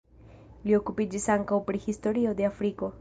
Li okupiĝis ankaŭ pri historio de Afriko.